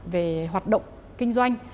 về hoạt động kinh doanh